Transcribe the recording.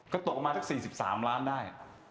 ก็ตกมาถึง๔๓ล้านได้